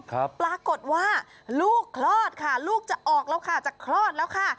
ปรากฏว่าลูกคลอดค่ะลูกจะออกแล้วค่ะจะคลอดแล้วค่ะ